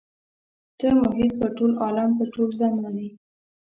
ته محیط پر ټول عالم پر ټول زمان یې.